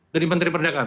dari menteri perdagangan